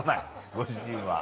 ご主人は。